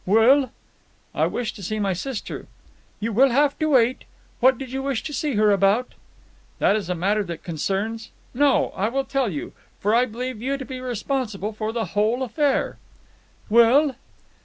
"Well?" "I wish to see my sister." "You will have to wait. What did you wish to see her about?" "That is a matter that concerns——No! I will tell you, for I believe you to be responsible for the whole affair." "Well?"